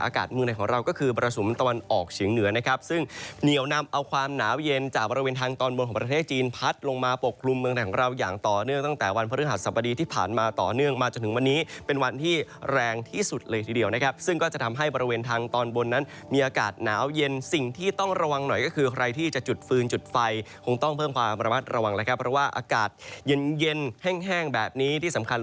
ของเราอย่างต่อเนื่องตั้งแต่วันพฤหัสสัปดีที่ผ่านมาต่อเนื่องมาจนถึงวันนี้เป็นวันที่แรงที่สุดเลยทีเดียวนะครับซึ่งก็จะทำให้บริเวณทางตอนบนนั้นมีอากาศหนาวเย็นสิ่งที่ต้องระวังหน่อยก็คือใครที่จะจุดฟืนจุดไฟคงต้องเพิ่มความระมัดระวังนะครับเพราะว่าอากาศเย็นเย็นแห้งแห้งแบบนี้ที่สำค